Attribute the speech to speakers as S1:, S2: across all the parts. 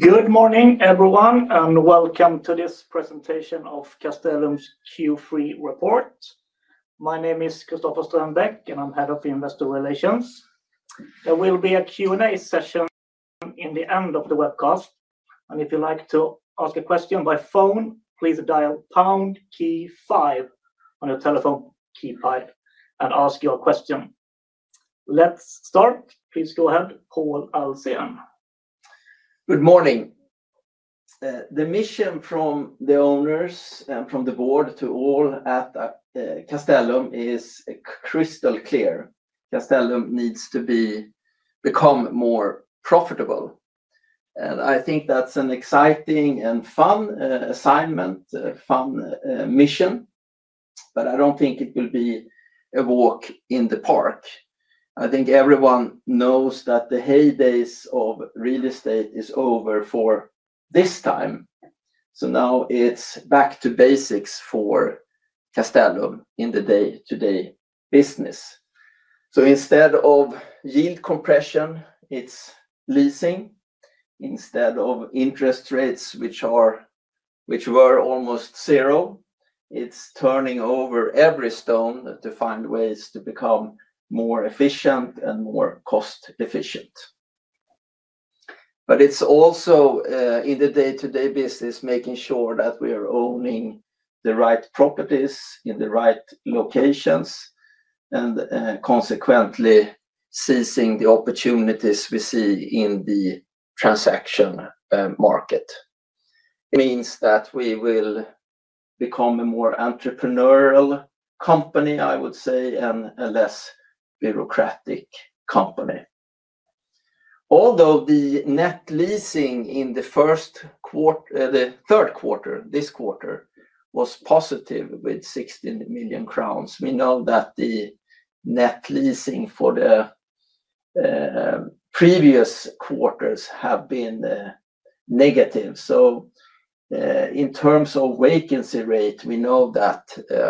S1: Good morning, everyone, and welcome to this presentation of Castellum's Q3 report. My name is Christoffer Strömbäck, and I'm Head of Investor Relations. There will be a Q&A session at the end of the webcast, and if you'd like to ask a question by phone, please dial #KEY5 on your telephone keypad and ask your question. Let's start. Please go ahead, Pål Ahlsén.
S2: Good morning. The mission from the owners and from the board to all at Castellum is crystal clear. Castellum needs to become more profitable, and I think that's an exciting and fun assignment, a fun mission, but I don't think it will be a walk in the park. I think everyone knows that the heydays of real estate are over for this time, so now it's back to basics for Castellum in the day-to-day business. Instead of yield compression, it's leasing. Instead of interest rates, which were almost zero, it's turning over every stone to find ways to become more efficient and more cost-efficient. It's also in the day-to-day business making sure that we are owning the right properties in the right locations and consequently seizing the opportunities we see in the transaction market. It means that we will become a more entrepreneurial company, I would say, and a less bureaucratic company. Although the net leasing in the first quarter, the third quarter, this quarter was positive with 16 million crowns, we know that the net leasing for the previous quarters has been negative. In terms of vacancy rate, we know that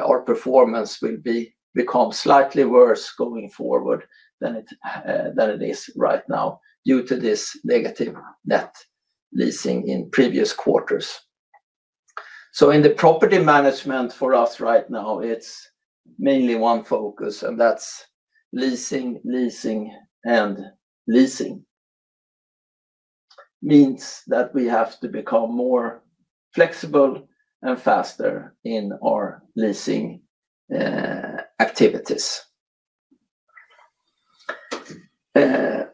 S2: our performance will become slightly worse going forward than it is right now due to this negative net leasing in previous quarters. In the property management for us right now, it's mainly one focus, and that's leasing, leasing, and leasing. It means that we have to become more flexible and faster in our leasing activities. At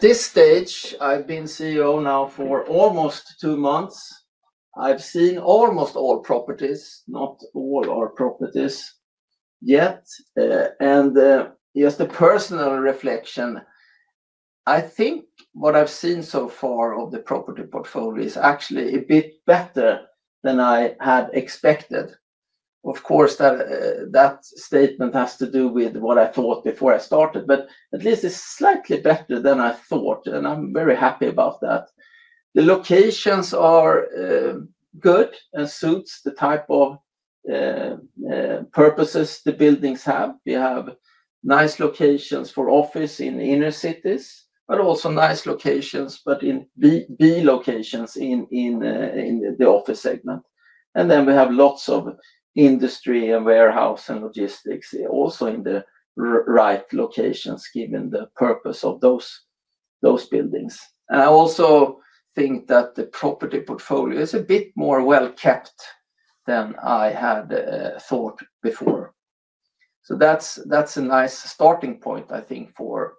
S2: this stage, I've been CEO now for almost two months. I've seen almost all properties, not all our properties yet, and just a personal reflection, I think what I've seen so far of the property portfolio is actually a bit better than I had expected. Of course, that statement has to do with what I thought before I started, but at least it's slightly better than I thought, and I'm very happy about that. The locations are good and suit the type of purposes the buildings have. We have nice locations for office in the inner cities, but also nice locations, but in B locations in the office segment. We have lots of industry and warehouse and logistics also in the right locations given the purpose of those buildings. I also think that the property portfolio is a bit more well-kept than I had thought before. That's a nice starting point, I think, for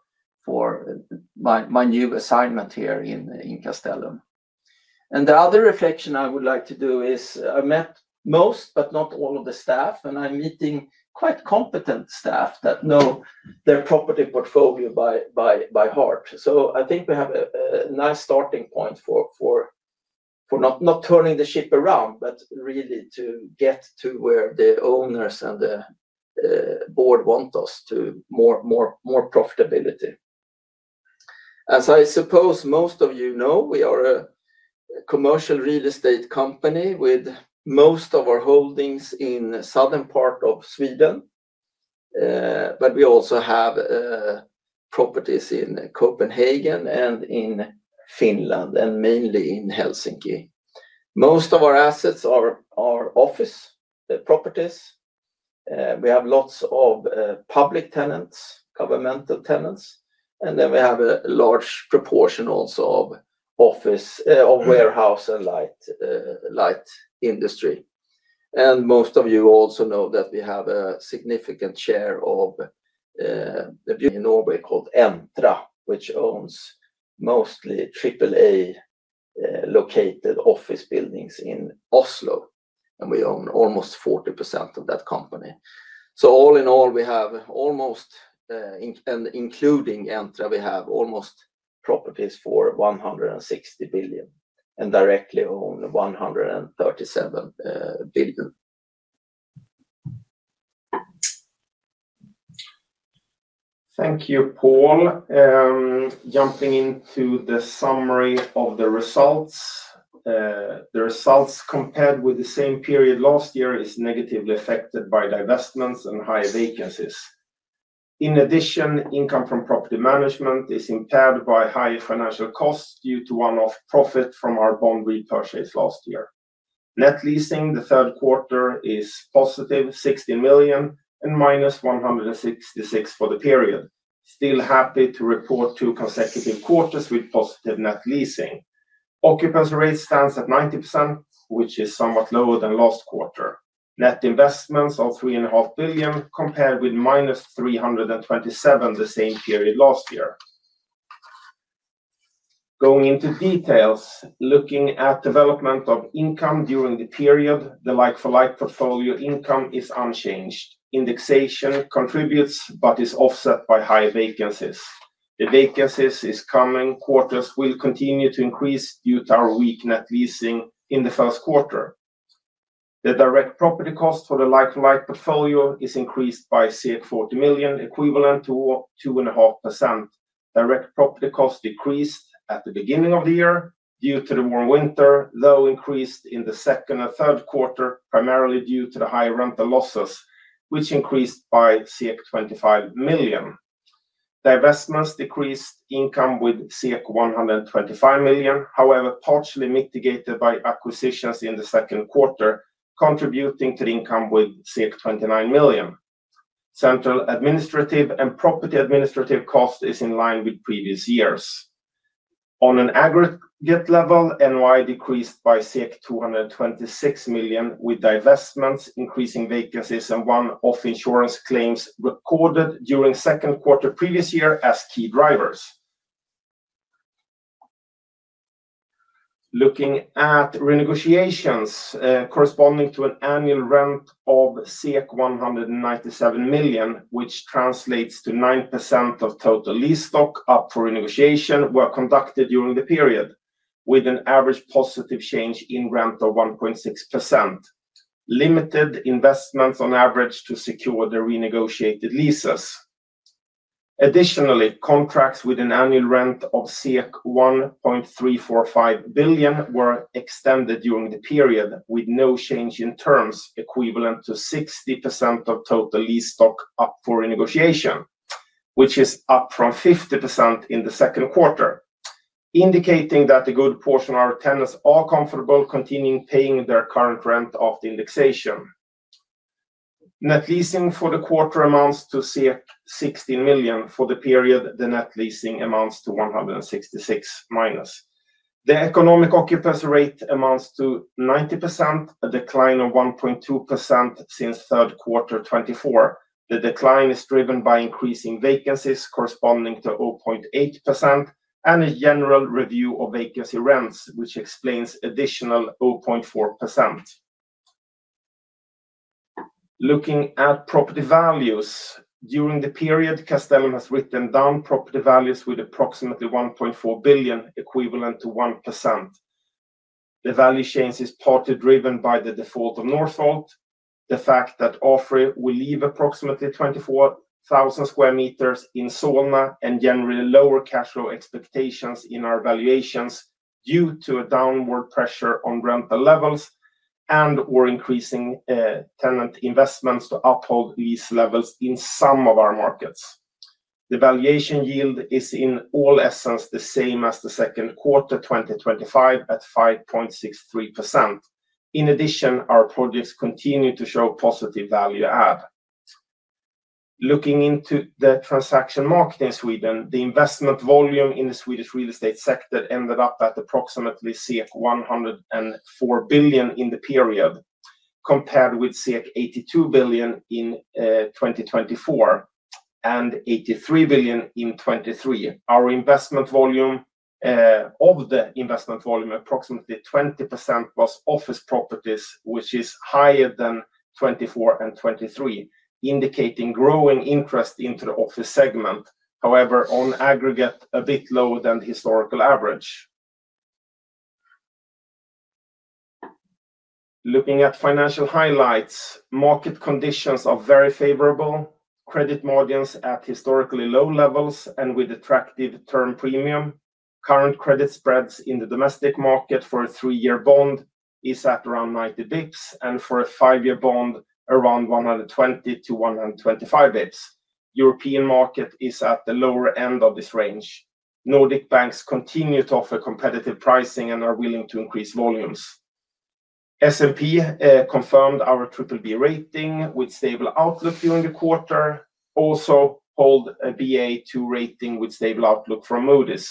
S2: my new assignment here in Castellum. The other reflection I would like to do is I met most, but not all of the staff, and I'm meeting quite competent staff that know their property portfolio by heart. I think we have a nice starting point for not turning the ship around, but really to get to where the owners and the board want us to, more profitability. As I suppose most of you know, we are a commercial real estate company with most of our holdings in the southern part of Sweden, but we also have properties in Copenhagen and in Finland, mainly in Helsinki. Most of our assets are office properties. We have lots of public tenants, governmental tenants, and then we have a large proportion also of warehouse and light industry. Most of you also know that we have a significant share of the in Norway called Entra ASA, which owns mostly AAA-located office buildings in Oslo, and we own almost 40% of that company. All in all, we have almost, and including Entra ASA, we have almost properties for 160 billion and directly own 137 billion.
S3: Thank you, Pål. Jumping into the summary of the results. The results compared with the same period last year are negatively affected by divestments and high vacancies. In addition, income from property management is impaired by higher financial costs due to one-off profit from our bond repurchase last year. Net leasing the third quarter is positive, 16 million, and minus 166 million for the period. Still happy to report two consecutive quarters with positive net leasing. Occupancy rate stands at 90%, which is somewhat lower than last quarter. Net investments of 3.5 billion compared with minus 327 million the same period last year. Going into details, looking at development of income during the period, the Like-for-Like portfolio income is unchanged. Indexation contributes, but is offset by high vacancies. The vacancies in the coming quarters will continue to increase due to our weak net leasing in the first quarter. The direct property cost for the Like-for-Like portfolio is increased by 40 million, equivalent to 2.5%. Direct property cost decreased at the beginning of the year due to the warm winter, though increased in the second and third quarter primarily due to the high rental losses, which increased by 25 million. Divestments decreased income with 125 million, however, partially mitigated by acquisitions in the second quarter, contributing to the income with 29 million. Central administrative and property administrative cost is in line with previous years. On an aggregate level, NOI decreased by 226 million with divestments, increasing vacancies, and one-off insurance claims recorded during the second quarter of the previous year as key drivers. Looking at renegotiations corresponding to an annual rent of 197 million, which translates to 9% of total lease stock up for renegotiation were conducted during the period, with an average positive change in rent of 1.6%. Limited investments on average to secure the renegotiated leases. Additionally, contracts with an annual rent of 1.345 billion were extended during the period with no change in terms, equivalent to 60% of total lease stock up for renegotiation, which is up from 50% in the second quarter, indicating that a good portion of our tenants are comfortable continuing paying their current rent of the indexation. Net leasing for the quarter amounts to 16 million for the period. The net leasing amounts to minus SEK 166 million. The economic occupancy rate amounts to 90%, a decline of 1.2% since third quarter 2024. The decline is driven by increasing vacancies corresponding to 0.8% and a general review of vacancy rents, which explains an additional 0.4%. Looking at property values during the period, Castellum AB has written down property values with approximately 1.4 billion, equivalent to 1%. The value change is partly driven by the default of Northvolt, the fact that OFFRE will leave approximately 24,000 square meters in Solna, and generally lower cash flow expectations in our valuations due to downward pressure on rental levels and/or increasing tenant investments to uphold lease levels in some of our markets. The valuation yield is in all essence the same as the second quarter 2025 at 5.63%. In addition, our projects continue to show positive value add. Looking into the transaction market in Sweden, the investment volume in the Swedish real estate sector ended up at approximately 104 billion in the period compared with 82 billion in 2024 and 83 billion in 2023. Our investment volume of approximately 20% was office properties, which is higher than 2024 and 2023, indicating growing interest into the office segment. However, on aggregate, a bit lower than the historical average. Looking at financial highlights, market conditions are very favorable. Credit margins are at historically low levels and with attractive term premium. Current credit spreads in the domestic market for a three-year bond is at around 90 basis points and for a five-year bond around 120-125 basis points. The European market is at the lower end of this range. Nordic banks continue to offer competitive pricing and are willing to increase volumes. S&P confirmed our BBB rating with stable outlook during the quarter. Also, we hold a Ba2 rating with stable outlook from Moody’s.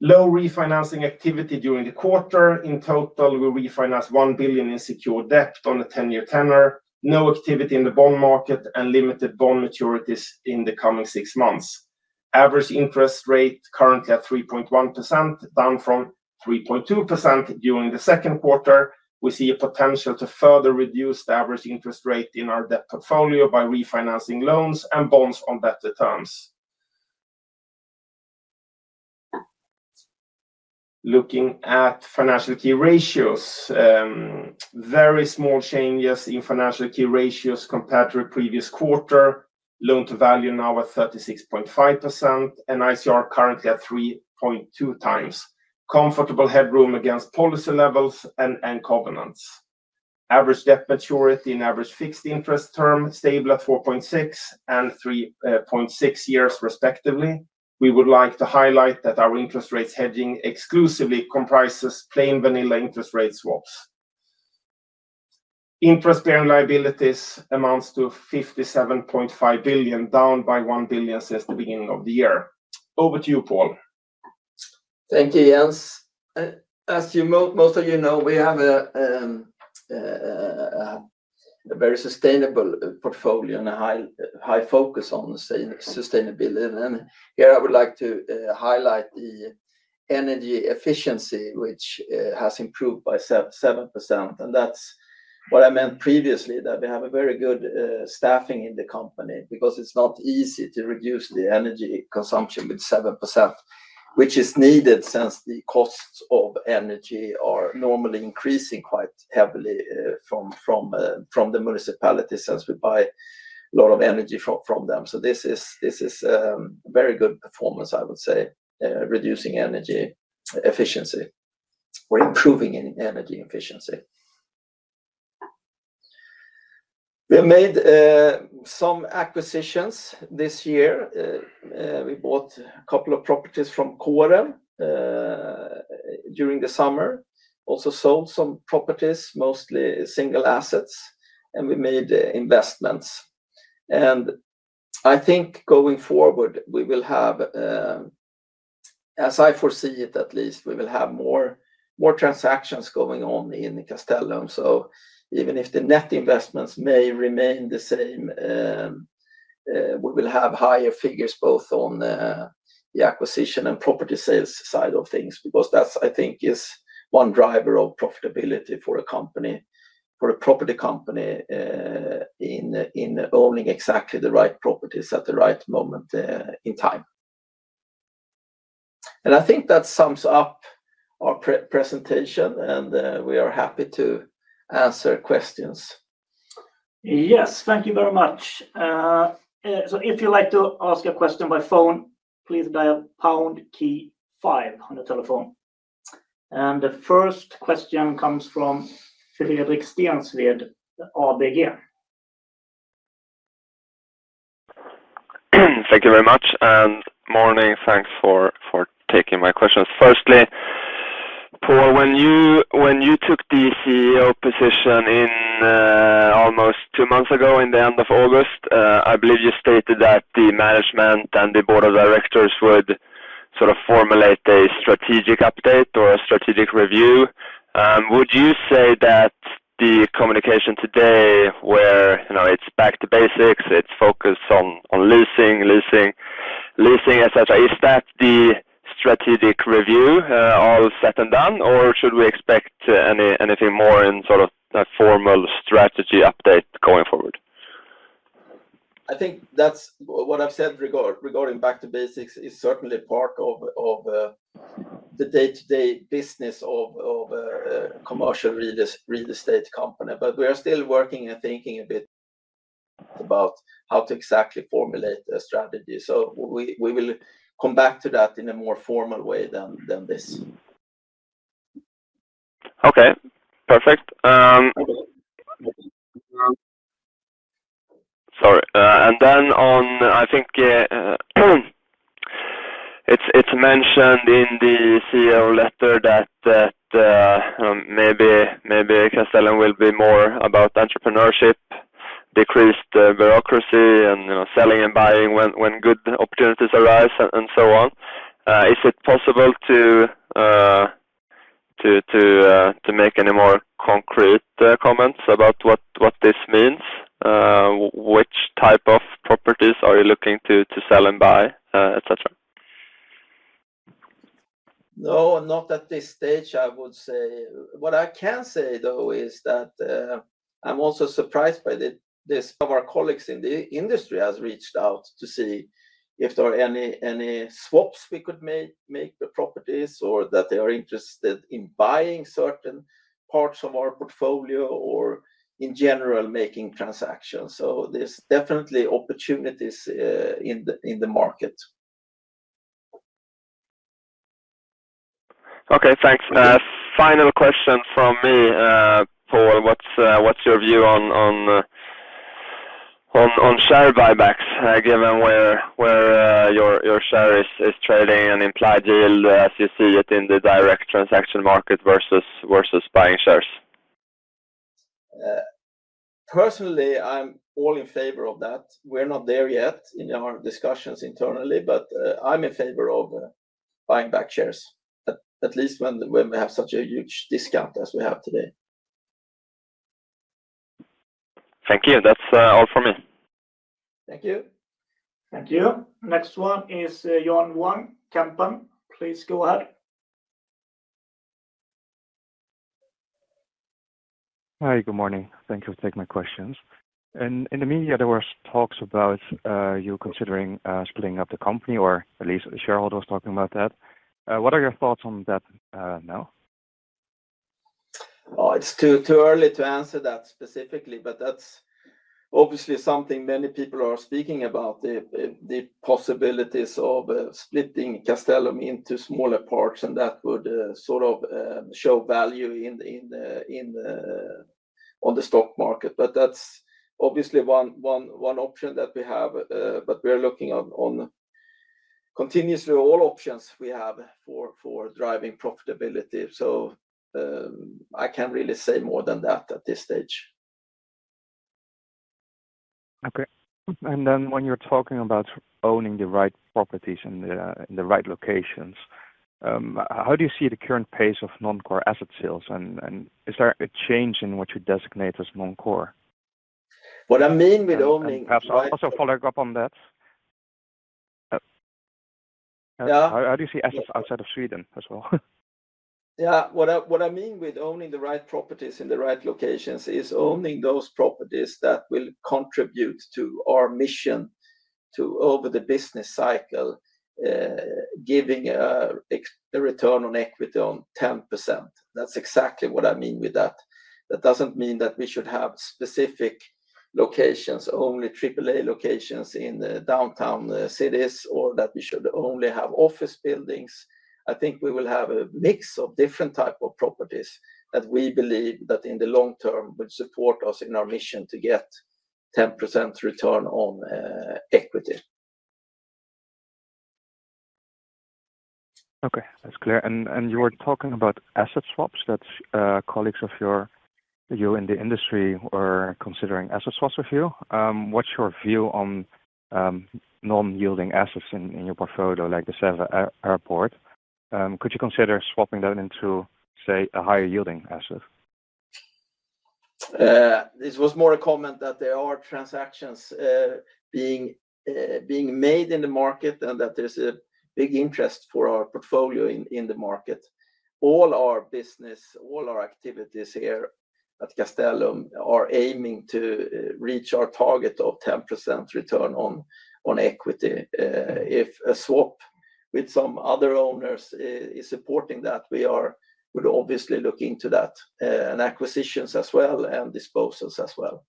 S3: Low refinancing activity during the quarter. In total, we refinanced 1 billion in secured debt on a 10-year tenor. No activity in the bond market and limited bond maturities in the coming six months. Average interest rate currently at 3.1%, down from 3.2% during the second quarter. We see a potential to further reduce the average interest rate in our debt portfolio by refinancing loans and bonds on better terms. Looking at financial key ratios, very small changes in financial key ratios compared to the previous quarter. Loan-to-value now at 36.5% and ICR currently at 3.2 times. Comfortable headroom against policy levels and covenants. Average debt maturity and average fixed interest term stable at 4.6 and 3.6 years respectively. We would like to highlight that our interest rates hedging exclusively comprises plain vanilla interest rate swaps. Interest-bearing liabilities amount to 57.5 billion, down by 1 billion since the beginning of the year. Over to you, Pål.
S2: Thank you, Jens. As most of you know, we have a very sustainable portfolio and a high focus on sustainability. Here I would like to highlight the energy efficiency, which has improved by 7%. That's what I meant previously, that we have a very good staffing in the company because it's not easy to reduce the energy consumption by 7%, which is needed since the costs of energy are normally increasing quite heavily from the municipalities since we buy a lot of energy from them. This is a very good performance, I would say, improving in energy efficiency. We have made some acquisitions this year. We bought a couple of properties from Kåre during the summer, also sold some properties, mostly single assets, and we made investments. I think going forward, as I foresee it at least, we will have more transactions going on in Castellum. Even if the net investments may remain the same, we will have higher figures both on the acquisition and property sales side of things because that's, I think, one driver of profitability for a property company in owning exactly the right properties at the right moment in time. I think that sums up our presentation, and we are happy to answer questions.
S1: Yes, thank you very much. If you'd like to ask a question by phone, please dial #KEY5 on your telephone. The first question comes from Fredrik Stensved, ABG.
S4: Thank you very much. Good morning, thanks for taking my questions. Firstly, Pål, when you took the CEO position almost two months ago, at the end of August, I believe you stated that the management and the Board of Directors would sort of formulate a strategic update or a strategic review. Would you say that the communication today where it's back to basics, it's focused on leasing, leasing, leasing, etc., is that the strategic review all said and done, or should we expect anything more in sort of a formal strategy update going forward?
S2: I think that's what I've said regarding back to basics is certainly part of the day-to-day business of a commercial real estate company. We are still working and thinking a bit about how to exactly formulate a strategy. We will come back to that in a more formal way than this.
S4: Okay. Perfect. Sorry. I think it's mentioned in the CEO letter that maybe Castellum will be more about entrepreneurship, decreased bureaucracy, and selling and buying when good opportunities arise, and so on. Is it possible to make any more concrete comments about what this means? Which type of properties are you looking to sell and buy, etc.?
S2: No, not at this stage, I would say. What I can say, though, is that I'm also surprised by this. Our colleagues in the industry have reached out to see if there are any swaps we could make with properties or that they are interested in buying certain parts of our property portfolio or in general making transactions. There's definitely opportunities in the market.
S4: Okay. Thanks. Final question from me, Pål. What's your view on share buybacks given where your share is trading and implied yield as you see it in the direct transaction market versus buying shares?
S2: Personally, I'm all in favor of that. We're not there yet in our discussions internally, but I'm in favor of buying back shares, at least when we have such a huge discount as we have today.
S4: Thank you. That's all for me.
S2: Thank you.
S1: Thank you. Next one is John Vuong, Kempen. Please go ahead.
S5: Hi. Good morning. Thank you for taking my questions. In the media, there were talks about you considering splitting up the company, or at least the shareholders talking about that. What are your thoughts on that now?
S2: It's too early to answer that specifically, but that's obviously something many people are speaking about, the possibilities of splitting Castellum into smaller parts, and that would sort of show value on the stock market. That's obviously one option that we have, and we are looking on continuously all options we have for driving profitability. I can't really say more than that at this stage.
S5: Okay. When you're talking about owning the right properties in the right locations, how do you see the current pace of non-core asset sales? Is there a change in what you designate as non-core?
S2: What I mean with owning.
S5: Perhaps also following up on that.
S2: Yeah?
S5: How do you see assets outside of Sweden as well?
S2: Yeah. What I mean with owning the right properties in the right locations is owning those properties that will contribute to our mission to, over the business cycle, giving a return on equity of 10%. That's exactly what I mean with that. That doesn't mean that we should have specific locations, only AAA locations in downtown cities, or that we should only have office buildings. I think we will have a mix of different types of properties that we believe that in the long term will support us in our mission to get 10% return on equity.
S5: Okay. That's clear. You were talking about asset swaps, that colleagues of your view in the industry were considering asset swaps with you. What's your view on non-yielding assets in your portfolio, like the SEVA airport? Could you consider swapping that into, say, a higher-yielding asset?
S2: This was more a comment that there are transactions being made in the market and that there's a big interest for our portfolio in the market. All our business, all our activities here at Castellum are aiming to reach our target of 10% return on equity. If a swap with some other owners is supporting that, we would obviously look into that in acquisitions as well and disposals as well.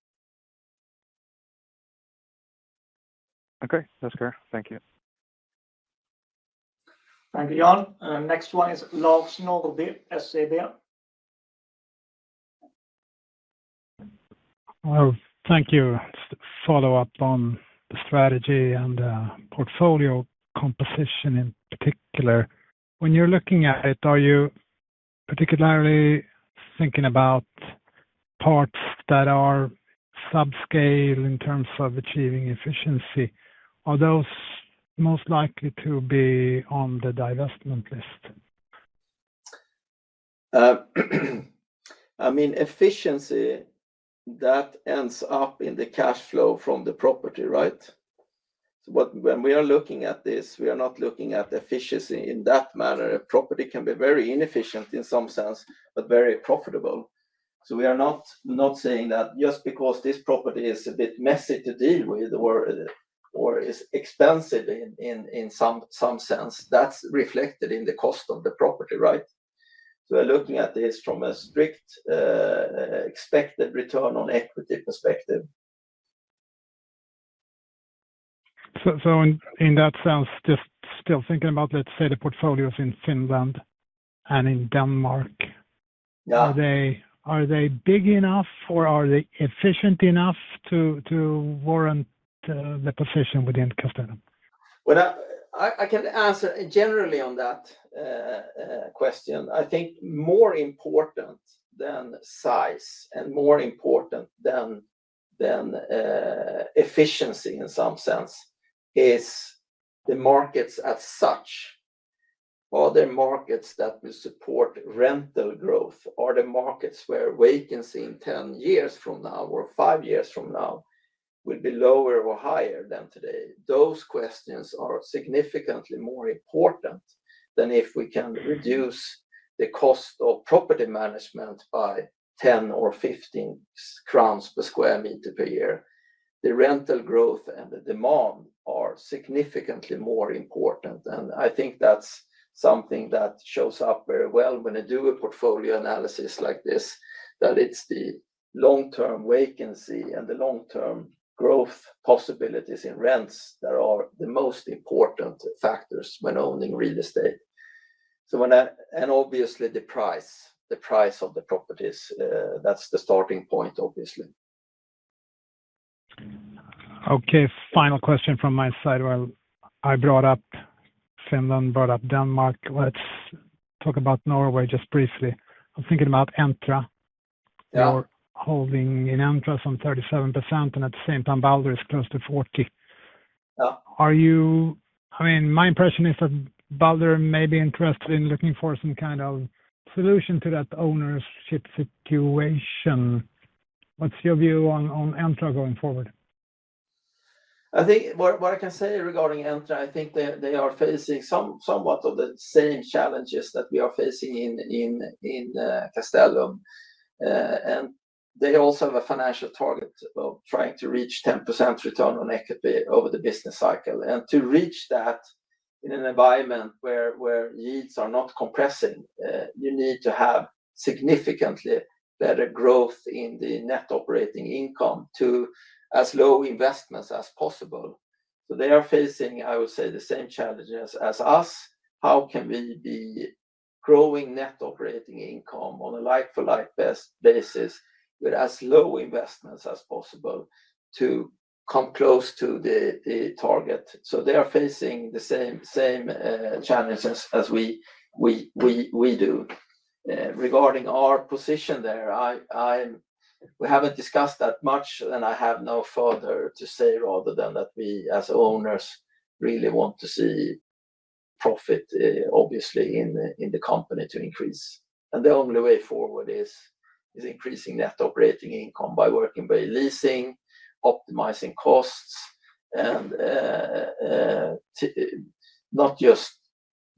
S5: Okay, that's clear. Thank you.
S1: Thank you, John. Next one is Lars Norrby, SEB.
S6: Thank you. Just to follow up on the strategy and the portfolio composition in particular, when you're looking at it, are you particularly thinking about parts that are subscale in terms of achieving efficiency? Are those most likely to be on the divestment list?
S2: I mean, efficiency, that ends up in the cash flow from the property, right? When we are looking at this, we are not looking at efficiency in that manner. A property can be very inefficient in some sense, but very profitable. We are not saying that just because this property is a bit messy to deal with or is expensive in some sense, that's reflected in the cost of the property, right? We are looking at this from a strict expected return on equity perspective.
S6: In that sense, just still thinking about, let's say, the portfolios in Finland and in Denmark. Yeah, are they big enough or are they efficient enough to warrant the position within Castellum?
S2: I can answer generally on that question. I think more important than size and more important than efficiency in some sense is the markets as such. Are there markets that will support rental growth? Are there markets where vacancy in 10 years from now or 5 years from now will be lower or higher than today? Those questions are significantly more important than if we can reduce the cost of property management by 10 or 15 crowns per square meter per year. The rental growth and the demand are significantly more important. I think that's something that shows up very well when you do a portfolio analysis like this, that it's the long-term vacancy and the long-term growth possibilities in rents that are the most important factors when owning real estate. Obviously, the price, the price of the properties, that's the starting point, obviously.
S6: Okay. Final question from my side. I brought up Finland, brought up Denmark. Let's talk about Norway just briefly. I was thinking about Entra.
S2: Yeah.
S6: You're holding in Entra ASA some 37%, and at the same time, Balder is close to 40%.
S2: Yeah.
S6: Are you, I mean, my impression is that Balder may be interested in looking for some kind of solution to that ownership situation. What's your view on Entra going forward?
S2: I think what I can say regarding Entra ASA, I think they are facing somewhat of the same challenges that we are facing in Castellum AB. They also have a financial target of trying to reach 10% return on equity over the business cycle. To reach that in an environment where yields are not compressing, you need to have significantly better growth in the net operating income with as low investments as possible. They are facing, I would say, the same challenges as us. How can we be growing net operating income on a Like-for-Like basis with as low investments as possible to come close to the target? They are facing the same challenges as we do. Regarding our position there, we haven't discussed that much, and I have no further to say rather than that we as owners really want to see profit, obviously, in the company to increase. The only way forward is increasing net operating income by working by leasing, optimizing costs, and not just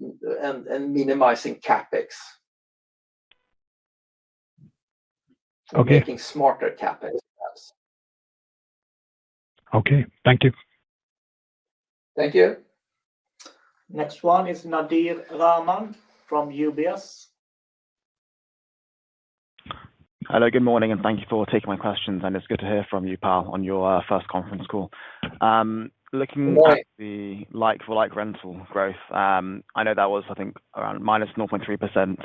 S2: minimizing CapEx. Making smarter CapEx.
S6: Okay. Thank you.
S2: Thank you.
S1: Next one is Nadir Rahman from UBS.
S7: Hello. Good morning, and thank you for taking my questions. It's good to hear from you, Pål, on your first conference call.
S2: No worries.
S7: Looking at the Like-for-Like rental growth, I know that was, I think, around -0.3%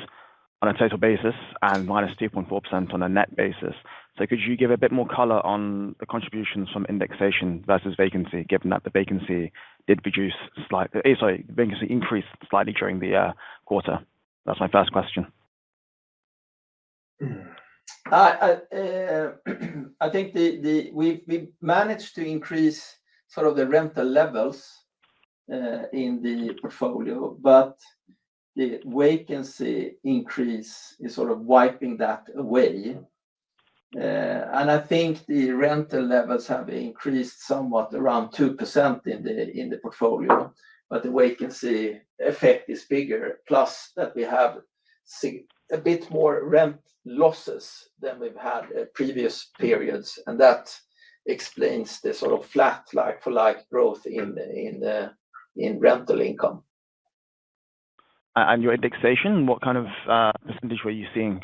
S7: on a total basis and -2.4% on a net basis. Could you give a bit more color on the contributions from indexation versus vacancy, given that the vacancy did reduce slightly? Sorry, the vacancy increased slightly during the quarter. That's my first question.
S2: I think we've managed to increase sort of the rental levels in the portfolio, but the vacancy increase is sort of wiping that away. I think the rental levels have increased somewhat around 2% in the portfolio, but the vacancy effect is bigger, plus we have a bit more rent losses than we've had in previous periods. That explains the sort of flat Like-for-Like growth in rental income.
S7: What kind of percentage were you seeing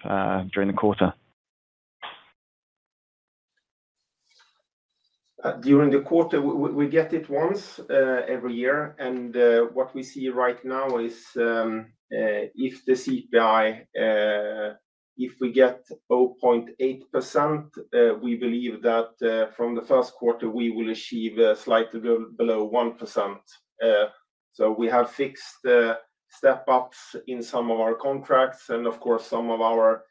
S7: during the quarter for your indexation?
S2: During the quarter, we get it once every year. What we see right now is if the CPI, if we get 0.8%, we believe that from the first quarter, we will achieve slightly below 1%. We have fixed step-ups in some of our contracts. Of course, some of our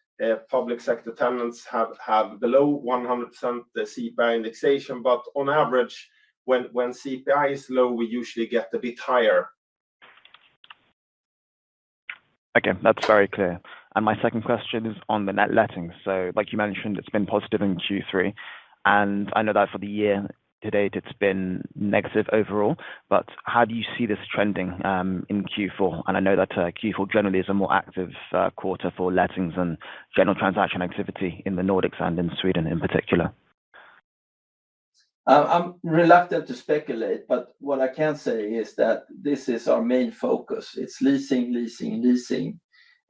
S2: public sector tenants have below 100% CPI indexation. On average, when CPI is low, we usually get a bit higher.
S7: Okay. That's very clear. My second question is on the net lettings. Like you mentioned, it's been positive in Q3. I know that for the year to date, it's been negative overall. How do you see this trending in Q4? I know that Q4 generally is a more active quarter for lettings and general transaction activity in the Nordics and in Sweden in particular.
S2: I'm reluctant to speculate, but what I can say is that this is our main focus. It's leasing, leasing, leasing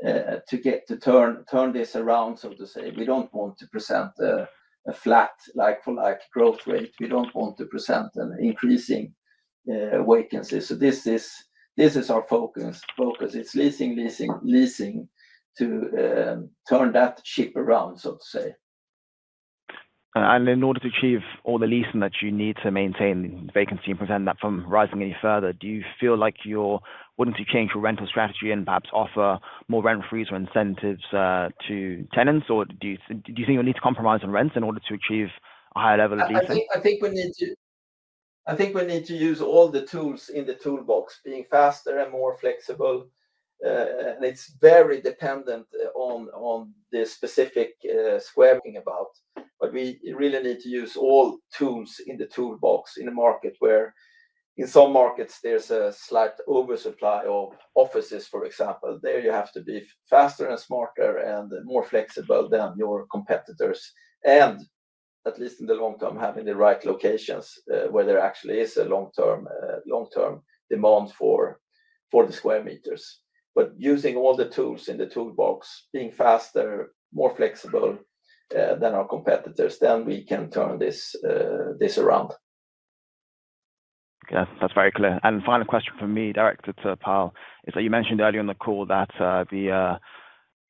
S2: to get to turn this around, so to say. We don't want to present a flat Like-for-Like growth rate. We don't want to present an increasing vacancy. This is our focus. It's leasing, leasing, leasing to turn that ship around, so to say.
S7: In order to achieve all the leasing that you need to maintain vacancy and prevent that from rising any further, do you feel like you're willing to change your rental strategy and perhaps offer more rent-frees or incentives to tenants? Do you think you'll need to compromise on rents in order to achieve a higher level of leasing?
S2: I think we need to use all the tools in the toolbox, being faster and more flexible. It's very dependent on the specific square we're talking about. We really need to use all tools in the toolbox in a market where in some markets there's a slight oversupply of offices, for example. You have to be faster and smarter and more flexible than your competitors. At least in the long term, having the right locations where there actually is a long-term demand for the square meters. Using all the tools in the toolbox, being faster, more flexible than our competitors, we can turn this around.
S7: Okay. That's very clear. Final question from me, directed to Pål, is that you mentioned earlier in the call that the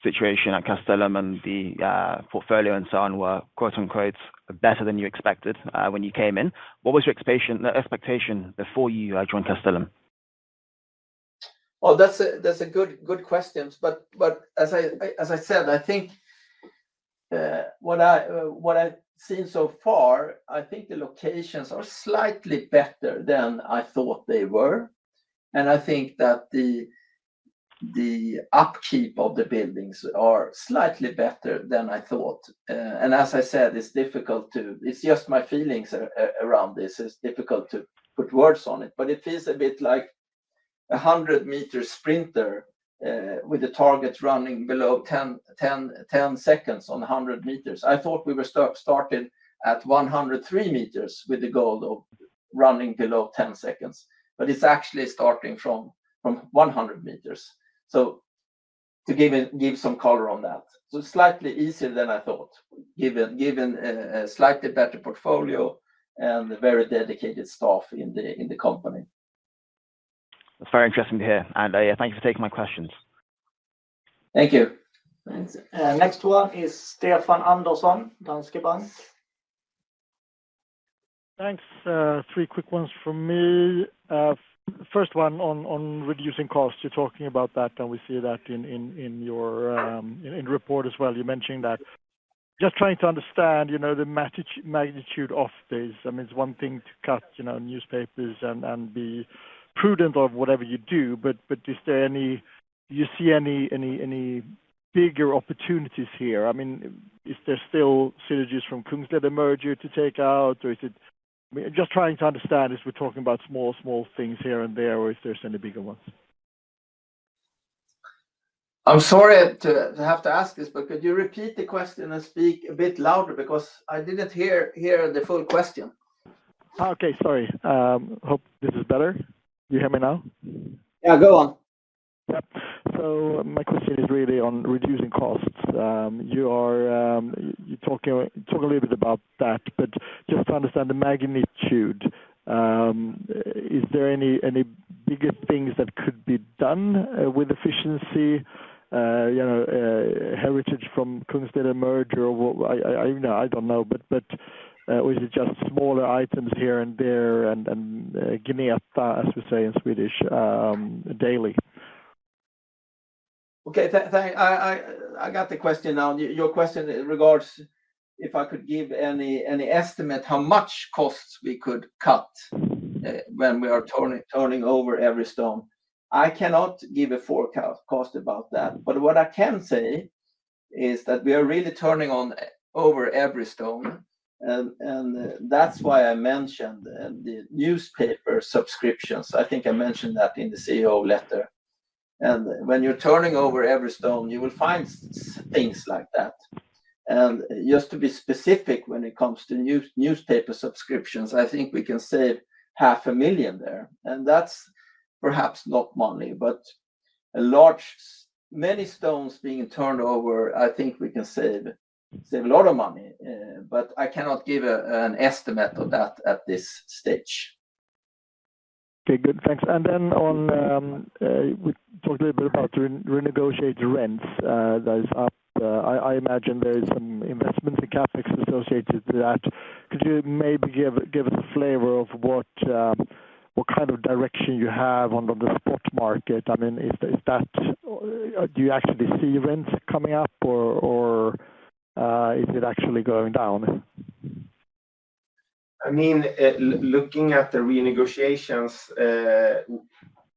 S7: situation at Castellum and the portfolio and so on were, quote-unquote, "better than you expected" when you came in. What was your expectation before you joined Castellum?
S2: That's a good question. As I said, I think what I've seen so far, the locations are slightly better than I thought they were. I think that the upkeep of the buildings is slightly better than I thought. As I said, it's difficult to, it's just my feelings around this. It's difficult to put words on it. It feels a bit like a 100-meter sprinter with the target running below 10 seconds on 100 meters. I thought we were starting at 103 meters with the goal of running below 10 seconds, but it's actually starting from 100 meters. To give some color on that, it's slightly easier than I thought, given a slightly better portfolio and a very dedicated staff in the company.
S7: That's very interesting to hear. Thank you for taking my questions.
S2: Thank you.
S1: Thanks. Next one is Stefan Andersson, Danske Bank.
S8: Thanks. Three quick ones from me. First one on reducing costs. You're talking about that, and we see that in your report as well. You mentioned that. Just trying to understand the magnitude of this. I mean, it's one thing to cut newspapers and be prudent of whatever you do, but is there any, do you see any bigger opportunities here? I mean, is there still synergies from Kungsleden merger to take out, or is it, I mean, just trying to understand if we're talking about small, small things here and there, or if there's any bigger ones.
S2: I'm sorry to have to ask this, but could you repeat the question and speak a bit louder because I didn't hear the full question?
S8: Okay. Sorry. Hope this is better. Do you hear me now?
S2: Yeah, go on.
S8: Yeah. My question is really on reducing costs. You talk a little bit about that, but just to understand the magnitude, is there any bigger things that could be done with efficiency? Heritage from Kungsleden merger or what? I don't know. Is it just smaller items here and there and gnista, as we say in Swedish, daily?
S2: Okay. I got the question now. Your question regards if I could give any estimate how much costs we could cut when we are turning over every stone. I cannot give a forecast cost about that. What I can say is that we are really turning over every stone. That's why I mentioned the newspaper subscriptions. I think I mentioned that in the CEO letter. When you're turning over every stone, you will find things like that. Just to be specific, when it comes to newspaper subscriptions, I think we can save 0.5 million there. That's perhaps not money, but a large, many stones being turned over, I think we can save a lot of money. I cannot give an estimate of that at this stage.
S8: Okay. Good. Thanks. We talked a little bit about renegotiated rents that is up. I imagine there is some investments in CapEx associated with that. Could you maybe give us a flavor of what kind of direction you have on the spot market? I mean, do you actually see rents coming up, or is it actually going down?
S2: I mean, looking at the renegotiations,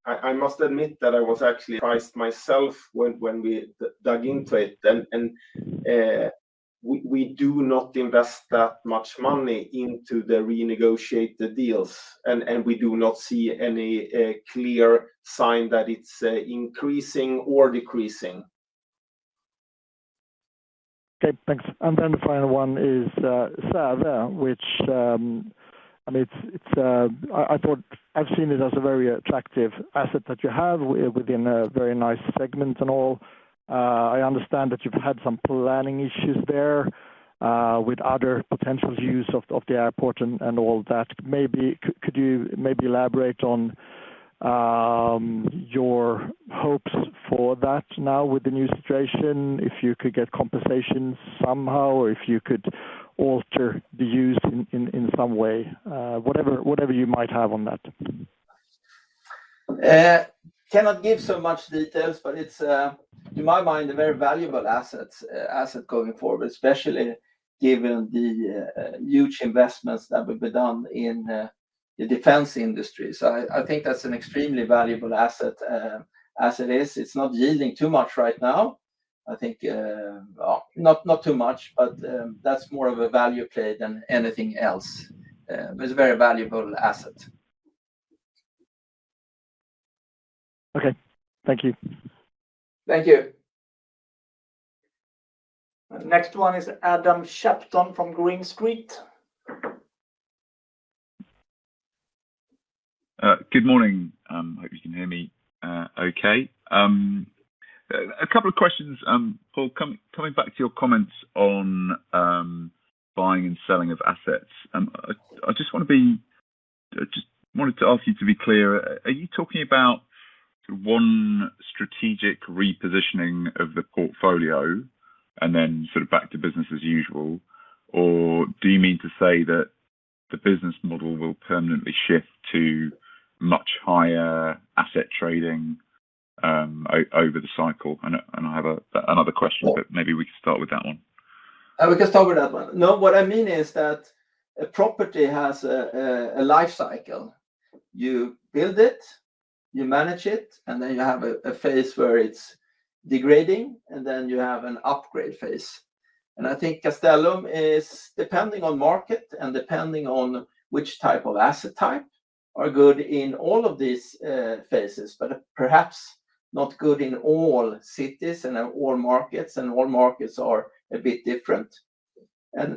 S2: I must admit that I was actually surprised myself when we dug into it. We do not invest that much money into the renegotiated deals, and we do not see any clear sign that it's increasing or decreasing.
S8: Okay. Thanks. The final one is SEVA airport, which I mean, I thought I've seen it as a very attractive asset that you have within a very nice segment and all. I understand that you've had some planning issues there with other potential use of the airport and all that. Maybe could you elaborate on your hopes for that now with the new situation, if you could get compensation somehow, or if you could alter the use in some way, whatever you might have on that?
S2: Cannot give so much details, but it's, in my mind, a very valuable asset going forward, especially given the huge investments that will be done in the defense industry. I think that's an extremely valuable asset as it is. It's not yielding too much right now. Not too much, but that's more of a value play than anything else. It's a very valuable asset.
S8: Okay, thank you.
S2: Thank you.
S1: Next one is Adam Shapton from Green Street.
S9: Good morning. I hope you can hear me okay. A couple of questions, Pål. Coming back to your comments on buying and selling of assets, I just want to ask you to be clear. Are you talking about sort of one strategic repositioning of the portfolio and then back to business as usual? Or do you mean to say that the business model will permanently shift to much higher asset trading over the cycle? I have another question, but maybe we could start with that one.
S2: We can start with that one. No. What I mean is that a property has a life cycle. You build it, you manage it, and then you have a phase where it's degrading, and then you have an upgrade phase. I think Castellum is, depending on market and depending on which type of asset type, good in all of these phases, but perhaps not good in all cities and in all markets, and all markets are a bit different.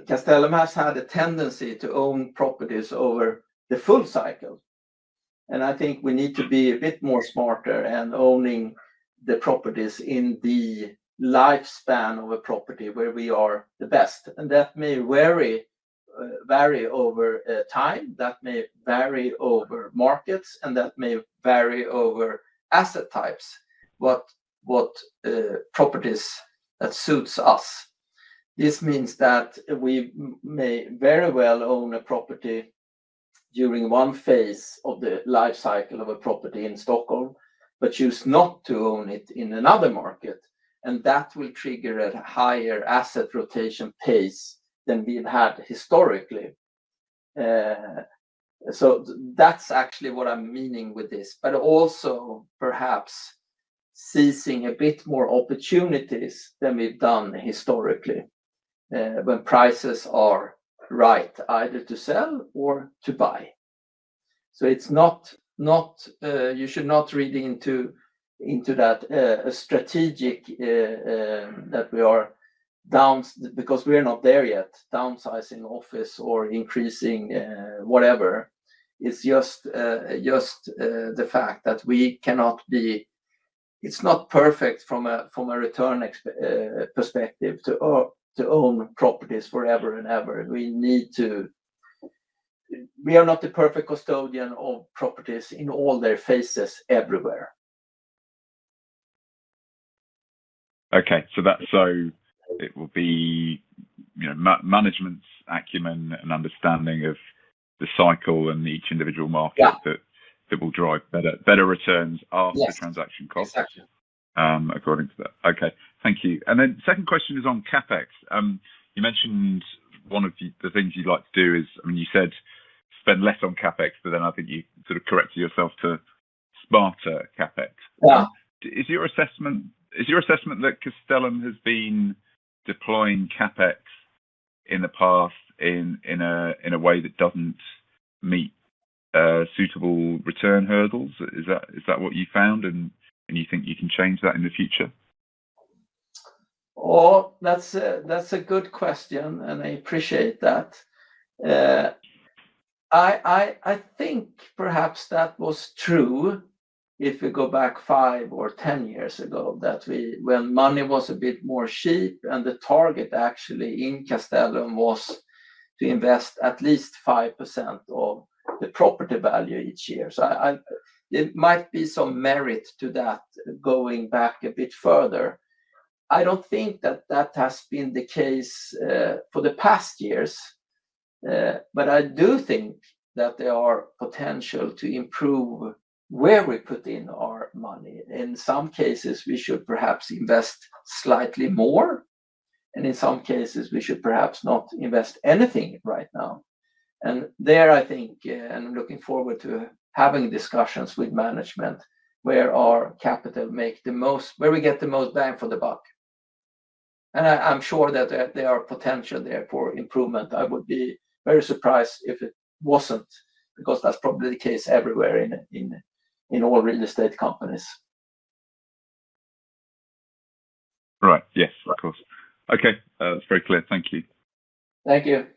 S2: Castellum has had a tendency to own properties over the full cycle. I think we need to be a bit more smarter in owning the properties in the lifespan of a property where we are the best. That may vary over time, that may vary over markets, and that may vary over asset types. What properties suit us? This means that we may very well own a property during one phase of the life cycle of a property in Stockholm, but choose not to own it in another market. That will trigger a higher asset rotation pace than we've had historically. That's actually what I'm meaning with this. Also perhaps seizing a bit more opportunities than we've done historically when prices are right, either to sell or to buy. It's not you should not read into that strategic that we are down because we are not there yet, downsizing office or increasing whatever. It's just the fact that we cannot be it's not perfect from a return perspective to own properties forever and ever. We need to we are not the perfect custodian of properties in all their phases everywhere.
S9: Okay. It will be management's acumen and understanding of the cycle and each individual market that will drive better returns after transaction costs, according to that.
S2: Yes. Exactly.
S9: Okay. Thank you. The second question is on CapEx. You mentioned one of the things you'd like to do is, I mean, you said spend less on CapEx, but then I think you sort of corrected yourself to smarter CapEx.
S2: Yeah.
S9: Is your assessment that Castellum has been deploying CapEx in the past in a way that doesn't meet suitable return hurdles? Is that what you found, and you think you can change that in the future?
S2: That's a good question, and I appreciate that. I think perhaps that was true if we go back 5 or 10 years ago, when money was a bit more cheap and the target actually in Castellum was to invest at least 5% of the property value each year. There might be some merit to that going back a bit further. I don't think that that has been the case for the past years, but I do think that there are potential to improve where we put in our money. In some cases, we should perhaps invest slightly more, and in some cases, we should perhaps not invest anything right now. I think, and I'm looking forward to having discussions with management where our capital makes the most, where we get the most bang for the buck. I'm sure that there are potential there for improvement. I would be very surprised if it wasn't because that's probably the case everywhere in all real estate companies.
S9: Right. Yes, of course. Okay, that's very clear. Thank you.
S2: Thank you.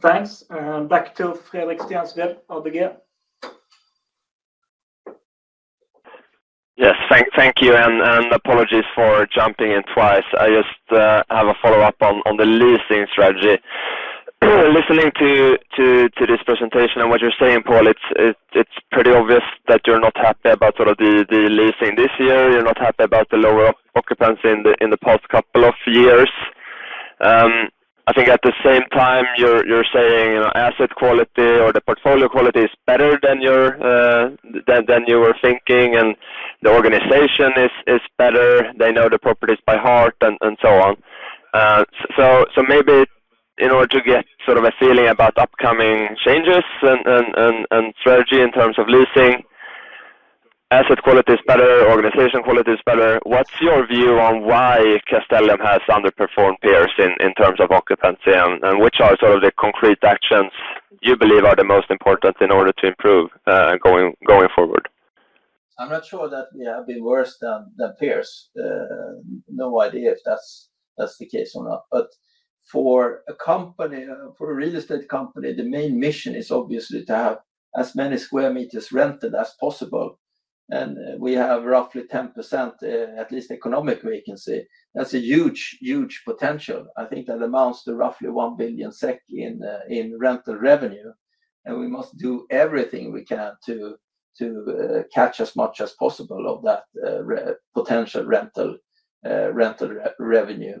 S1: Thanks. Back to Fredrik Stensved, ABG.
S4: Yes. Thank you. Apologies for jumping in twice. I just have a follow-up on the leasing strategy. Listening to this presentation and what you're saying, Pål, it's pretty obvious that you're not happy about the leasing this year. You're not happy about the lower occupancy in the past couple of years. I think at the same time, you're saying asset quality or the portfolio quality is better than you were thinking, and the organization is better. They know the properties by heart and so on. Maybe in order to get a feeling about upcoming changes and strategy in terms of leasing, asset quality is better, organization quality is better, what's your view on why Castellum has underperformed peers in terms of occupancy? Which are the concrete actions you believe are the most important in order to improve going forward?
S2: I'm not sure that we have been worse than peers. No idea if that's the case or not. For a company, for a real estate company, the main mission is obviously to have as many square meters rented as possible. We have roughly 10% at least economic vacancy. That's a huge, huge potential. I think that amounts to roughly 1 billion SEK in rental revenue. We must do everything we can to catch as much as possible of that potential rental revenue.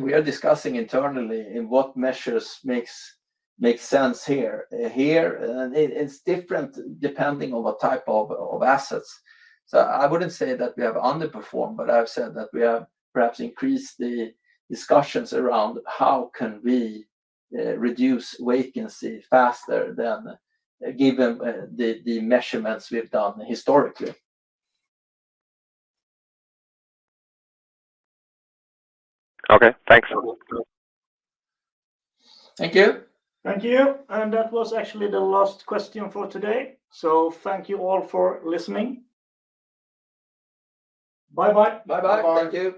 S2: We are discussing internally in what measures make sense here, and it's different depending on what type of assets. I wouldn't say that we have underperformed, but I've said that we have perhaps increased the discussions around how can we reduce vacancy faster than given the measurements we've done historically.
S4: Okay. Thanks.
S2: Thank you.
S1: Thank you. That was actually the last question for today. Thank you all for listening. Bye-bye.
S2: Bye-bye.
S3: Bye.